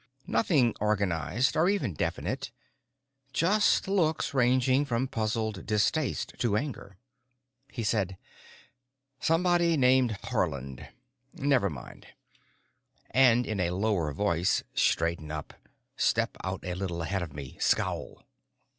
Nothing organized or even definite—just looks ranging from puzzled distaste to anger. He said, "Somebody named Haarland. Never mind," and in a lower voice: "Straighten up. Step out a little ahead of me. Scowl."